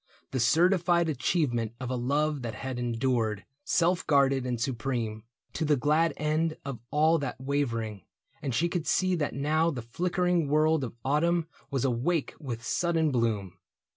The certified achievement of a love That had endured, self guarded and supreme. To the glad end of all that wavering ; And she could see that now the flickering world Of autumn was awake with sudden bloom.